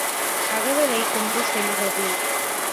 தகவலைக் கொண்டுச் செல்வது.